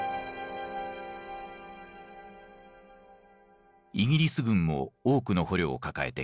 イギリス軍も多くの捕虜を抱えていた。